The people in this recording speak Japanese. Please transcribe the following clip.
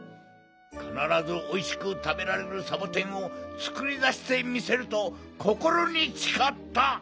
かならずおいしくたべられるサボテンをつくりだしてみせるとこころにちかった。